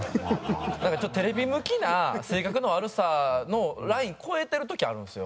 なんかちょっとテレビ向きな性格の悪さのライン越えてる時あるんですよ。